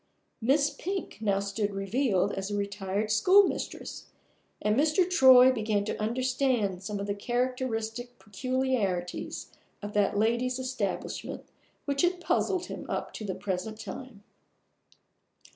Miss Pink now stood revealed as a retired schoolmistress, and Mr. Troy began to understand some of the characteristic peculiarities of that lady's establishment which had puzzled him up to the present time.